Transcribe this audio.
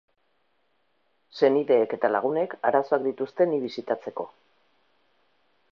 Senideek eta lagunek arazoak dituzte ni bisitatzeko.